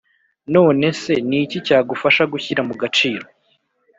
None se ni iki cyagufasha gushyira mu gaciro?